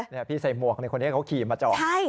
นี่พี่ใส่หมวกในคนนี้เขาขี่มาจอด